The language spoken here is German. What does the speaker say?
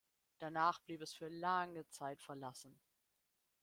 Danach blieb es für lange Zeit verlassen.